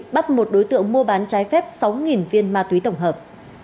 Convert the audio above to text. bắt một đối tượng mua bán trái phép sáu viên ma túy tổng hợp